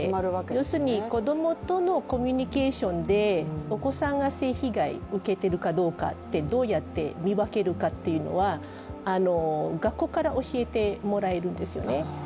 要するに、子供とのコミュニケーションでお子さんが性被害を受けているかどうかってどうやって見分けるかっていうのは学校から教えてもらえるんですよね。